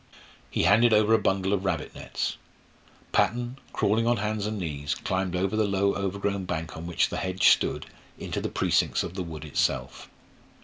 He handed over a bundle of rabbit nets. Patton, crawling on hands and knees, climbed over the low overgrown bank on which the hedge stood into the precincts of the wood itself.